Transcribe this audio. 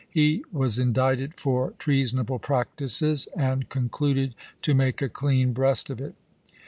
He was indicted for treasonable practices, and con cluded to make a clean breast of it.